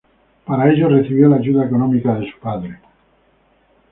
Para ello recibió la ayuda económica de su padre.